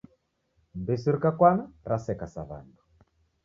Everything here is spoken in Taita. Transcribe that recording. Mbisi rikakwana raseka sa W'andu.